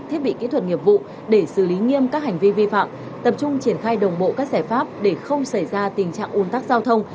thiết bị kỹ thuật nghiệp vụ để xử lý nghiêm các hành vi vi phạm tập trung triển khai đồng bộ các giải pháp để không xảy ra tình trạng ồn tắc giao thông